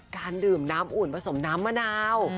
การดื่มน้ำอุ่นผสมน้ำมะนาว